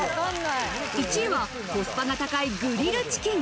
１位はコスパが高いグリルチキン。